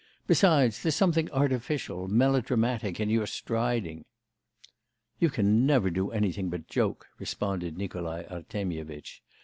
Besides, there's something artificial, melodramatic in your striding.' 'You can never do anything but joke,' responded Nikolai Artemyevitch.